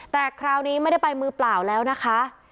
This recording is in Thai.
แต่คราวนี้ไม่ได้ไปมือเปล่าแล้วนะคะ